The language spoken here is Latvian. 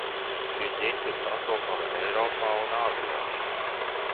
Šī ģints ir sastopama Eiropā un Āzijā.